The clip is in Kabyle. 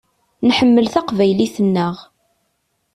Nḥemmel taqbaylit-nneɣ.